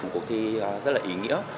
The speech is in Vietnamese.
cuộc thi rất là ý nghĩa